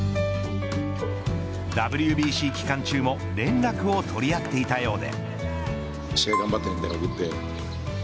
ＷＢＣ期間中も連絡を取り合っていたようで。